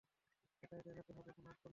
এটাই দেখাতে হবে, কোনো অপশন নাই।